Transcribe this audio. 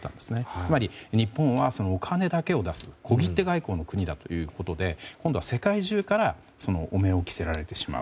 つまり、日本はお金だけを出す小切手外交の国だということで今度は世界中から汚名を着せられてしまう。